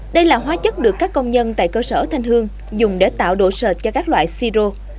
đây là hóa chất được các công nhân tại cơ sở thanh hương dùng để tạo độ sệt cho các loại siro